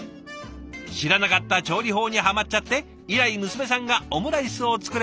知らなかった調理法にハマっちゃって以来娘さんがオムライスを作れ